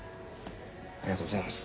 ありがとうございます。